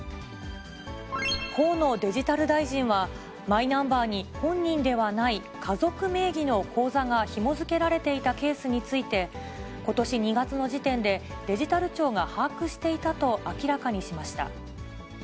河野デジタル大臣は、マイナンバーに本人ではない家族名義の口座がひも付けられていたケースについて、ことし２月の時点でデジタル庁が把握していたと明らかにしました。